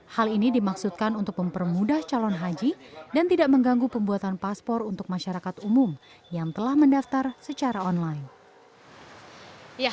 hal ini dimaksudkan untuk mempermudah calon haji dan tidak mengganggu pembuatan paspor untuk masyarakat umum yang telah mendaftar secara online